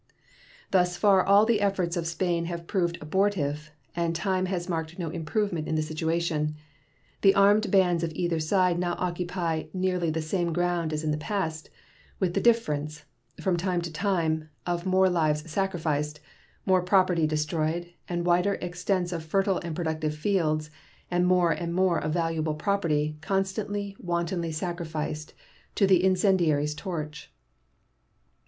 Thus far all the efforts of Spain have proved abortive, and time has marked no improvement in the situation. The armed bands of either side now occupy nearly the same ground as in the past, with the difference, from time to time, of more lives sacrificed, more property destroyed, and wider extents of fertile and productive fields and more and more of valuable property constantly wantonly sacrificed to the incendiary's torch.